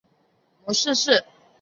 母舒氏。